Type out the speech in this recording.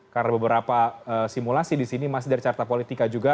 karena beberapa simulasi di sini masih dari carta politika juga